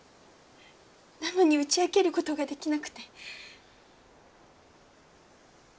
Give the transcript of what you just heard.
なのに打ち明けることができなくて。